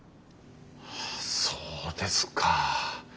そうですか。